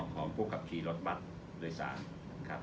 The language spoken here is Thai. ของผู้ขับขี่รถบัตรโดยสารนะครับ